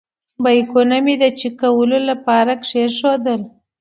بیکونه مې د چېک کولو لپاره کېښودل.